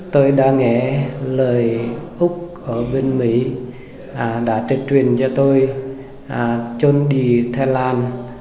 tôi đã nghe lời úc ở bên mỹ đã truyền cho tôi cho đi thái lan